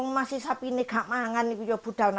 nek kalau perhatian saya nggak alas tambah ke yowanku